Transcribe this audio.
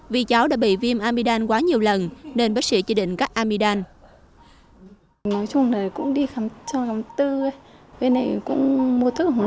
vì cháu đã bị viêm amidam quá nhiều lần nên bác sĩ chỉ định cắt amidam